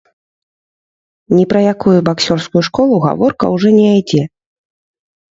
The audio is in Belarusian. Ні пра якую баксёрскую школу гаворка ўжо не ідзе.